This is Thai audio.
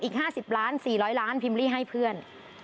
อีก๕๐ล้าน๔๐๐ล้านพิมพ์ลี่ให้เพื่อน